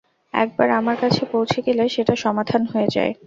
একবার আমার কাছে পৌঁছে গেলে, সেটা সমাধান হয়ে যায়।